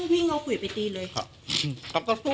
อ๋อวิ่งเอาขุ่ยไปตีเลย